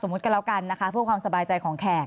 ก็แล้วกันนะคะเพื่อความสบายใจของแขก